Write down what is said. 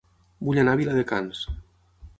Vull anar a Viladecans